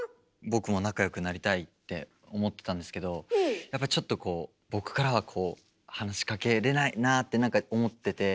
僕も仲よくなりたいって思ってたんですけどやっぱちょっとこう僕からはこう話しかけれないなあってなんか思ってて。